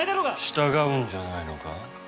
従うんじゃないのか？